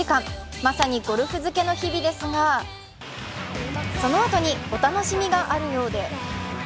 まさにゴルフ漬けの日々ですがそのあとにお楽しみがあるようで。